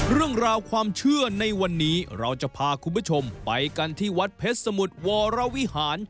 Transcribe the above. เรื่องราวความเชื่อในวันนี้เราจะพาคุณผู้ชมไปกันที่วัดเพชรสมุทรวรวิหาร